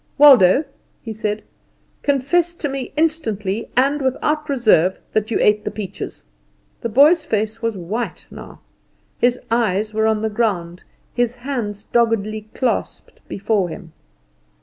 "Waldo," he said, "confess to me instantly, and without reserve, that you ate the peaches." The boy's face was white now. His eyes were on the ground, his hands doggedly clasped before him.